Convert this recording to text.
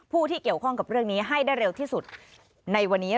ผู้ที่เกี่ยวข้องกับเรื่องนี้ให้ได้เร็วที่สุดในวันนี้